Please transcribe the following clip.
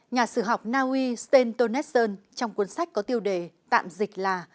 nhà sử học naui sten tonetson trong cuốn sách có tiêu đề tạm dịch là